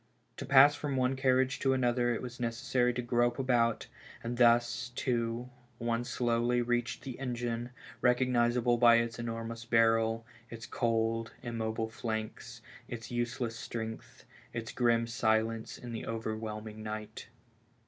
To pass from one carriage to another it was necessary to grope about, and thus, too, one slowly reached the engine, recognizable by its enormous barrel, its cold, immobile flanks, its useless strength, its grim silence in the overwhelming night.